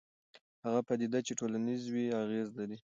هغه پدیده چې ټولنیز وي اغېز لري.